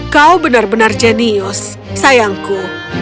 kau benar benar jenius sayangku